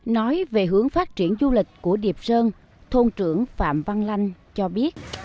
nói về hướng phát triển du lịch của điệp sơn thôn trưởng phạm văn lanh cho biết